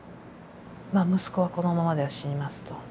「息子はこのままでは死にます」と。